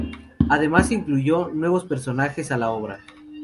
Además se incluyó nuevos personajes a la obra.